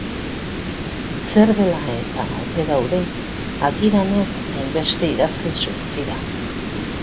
Zer dela eta ote daude, agidanez, hainbeste idazle suizida?